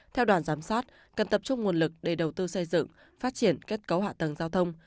theo đoàn giám sát cần tập trung nguồn lực để đầu tư xây dựng phát triển kết cấu hạ tầng giao thông